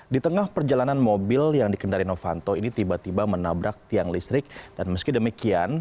di tengah perjalanan mobil yang dikendari novanto ini tiba tiba menabrak tiang listrik dan meski demikian